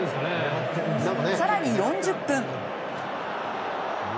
更に、４０分。